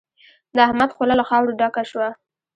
د احمد خوله له خاورو ډکه شوه.